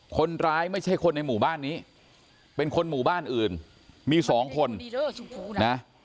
ไม่ใช่คนในหมู่บ้านนี้เป็นคนหมู่บ้านอื่นมีสองคนนะ